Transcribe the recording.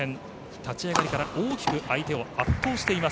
立ち上がりから大きく相手を圧倒しています。